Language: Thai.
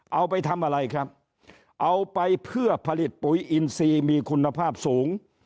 เอาไปทำอะไรครับเอาไปเพื่อผลิตปุ๋ยอินซีมีคุณภาพสูง